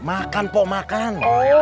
makan pok makan